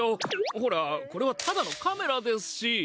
ほらこれはただのカメラですし！